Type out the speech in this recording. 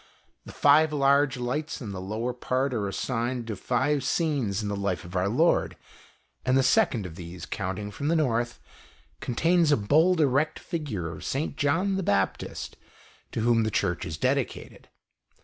The five large lights in the lower part are assigned to five scenes in the life of Our Lord, and the second of these, counting from the North, contains a bold erect figure of St. John Baptist, to whom the Church is dedicated.